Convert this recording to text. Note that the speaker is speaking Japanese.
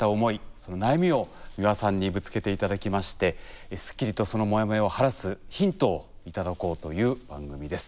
その悩みを美輪さんにぶつけて頂きましてスッキリとそのモヤモヤを晴らすヒントを頂こうという番組です。